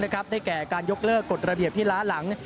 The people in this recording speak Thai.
ได้แก่การยกเลิกกฎระเบียบที่ล้าหลัง